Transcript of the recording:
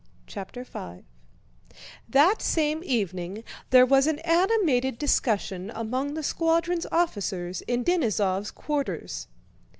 CHAPTER V That same evening there was an animated discussion among the squadron's officers in Denísov's quarters.